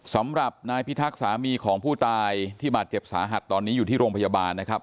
สำหรับนายพิทักษ์สามีของผู้ตายที่บาดเจ็บสาหัสตอนนี้อยู่ที่โรงพยาบาลนะครับ